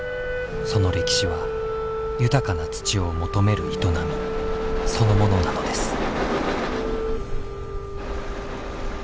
その歴史は豊かな土を求める営みそのものなのです。